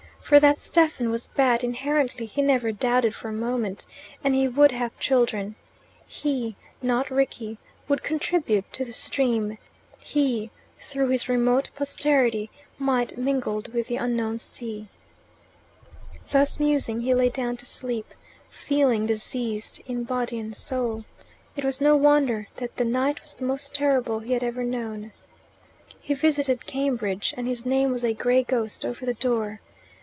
For that Stephen was bad inherently he never doubted for a moment and he would have children: he, not Rickie, would contribute to the stream; he, through his remote posterity, might mingled with the unknown sea. Thus musing he lay down to sleep, feeling diseased in body and soul. It was no wonder that the night was the most terrible he had ever known. He revisited Cambridge, and his name was a grey ghost over the door.